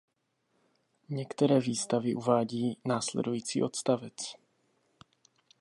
Některé výstavy uvádí následující odstavec.